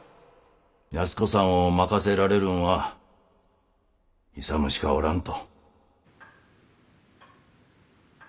安子さんを任せられるんは勇しかおらんと。